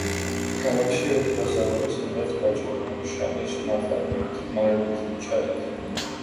ქალაქში ორი ბაზარია სადაც ვაჭრობენ შალის ნაწარმით, მარილით და ჩაით.